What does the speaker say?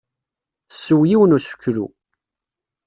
Tessew yiwen n useklu.